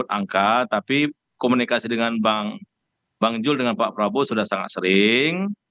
angka tapi komunikasi dengan bang jul dengan pak prabowo sudah sangat sering